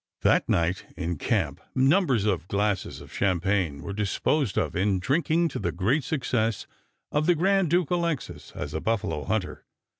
That night in camp numbers of glasses of champagne were disposed of in drinking to the great success of the Grand Duke Alexis as a buffalo hunter.